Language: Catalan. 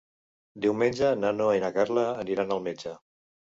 Diumenge na Noa i na Carla aniran al metge.